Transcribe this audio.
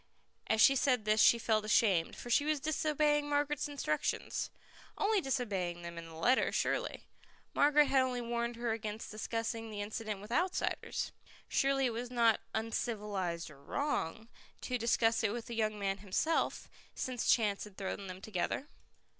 As she said this she felt ashamed, for she was disobeying Margaret's instructions. Only disobeying them in the letter, surely. Margaret had only warned her against discussing the incident with outsiders. Surely it was not "uncivilized or wrong" to discuss it with the young man himself, since chance had thrown them together.